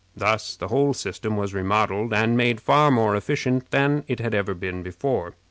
Thus the whole system was remodeled, and made far more efficient than it ever had been before.